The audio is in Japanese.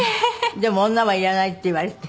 でも女はいらないって言われて。